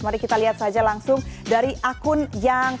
mari kita lihat saja langsung dari akun yang